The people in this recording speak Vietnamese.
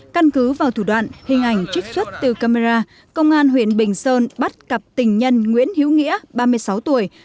căn cứ vào thủ đoạn hình ảnh trích xuất từ camera công an huyện bình sơn bắt cặp tình nhân nguyễn hiếu nghĩa ba mươi sáu tuổi